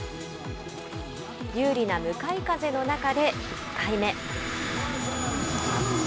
有利な向かい風の中で１回目。